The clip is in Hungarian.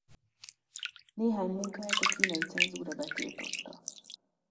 Néhány munkáját a kínai cenzúra betiltotta.